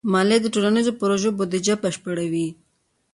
مالیه د ټولنیزو پروژو بودیجه بشپړوي.